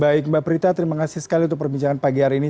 baik mbak prita terima kasih sekali untuk perbincangan pagi hari ini